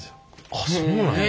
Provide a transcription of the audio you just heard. あっそうなんや。